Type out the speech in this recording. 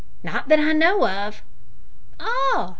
"Not that I know of." "Ah!